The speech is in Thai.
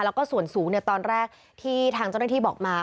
แล้วก็ส่วนสูงตอนแรกที่ทางเจ้าหน้าที่บอกมา